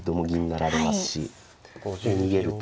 逃げると。